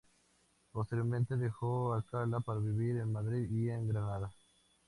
Posteriormente dejó Alcalá para vivir en Madrid y en Granada.